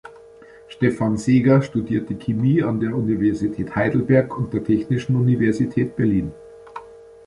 Stefan Seeger studierte Chemie an der Universität Heidelberg und der Technischen Universität Berlin.